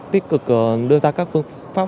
tích cực đưa ra các phương pháp